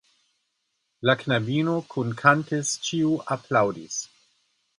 La knabino kunkantis, ĉiuj aplaŭdis.